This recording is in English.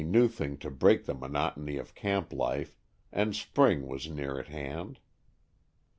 new thing to break the monotony of camp life, and spring was near at hand.